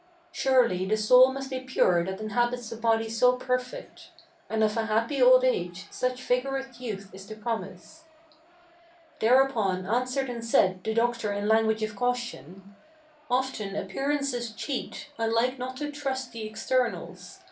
Surely the soul must be pure that inhabits a body so perfect, And of a happy old age such vigorous youth is the promise." Thereupon answered and said the doctor in language of caution: "Often appearances cheat; I like not to trust to externals.